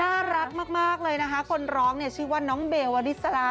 น่ารักมากเลยนะคะคนร้องเนี่ยชื่อว่าน้องเบลวริสรา